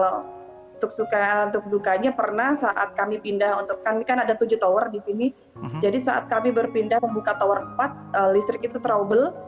untuk dukanya pernah saat kami pindah untuk kami kan ada tujuh tower di sini jadi saat kami berpindah membuka tower empat listrik itu trouble